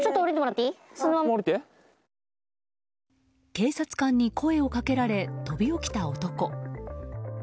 警察官に声をかけられ飛び起きた男。